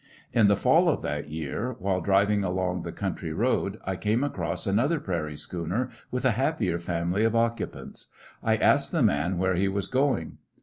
In the fall of that year, while driving along the country road, I came across another prairie schooner, with a happier family of occupants. I asked the man where he was going.